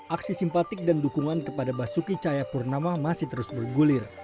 aksi simpatik dan dukungan kepada basuki cahayapurnama masih terus bergulir